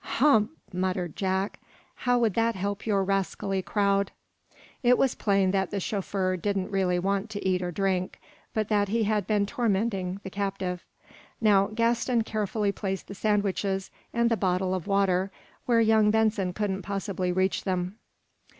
"Humph!" muttered Jack. "How would that help your rascally crowd?" It was plain that the chauffeur didn't really want to eat or drink, but that he had been tormenting the captive. Now Gaston carefully placed the sandwiches and the bottle of water where young Benson couldn't possibly reach them.